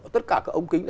tất cả ông kính